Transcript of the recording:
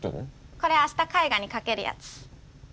これ明日絵画にかけるやつ。